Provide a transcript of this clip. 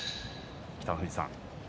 北の富士さん